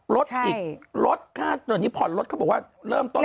รถอีกรถตอนนี้พอร์ตรถเขาบอกว่าเริ่มต้นเงิน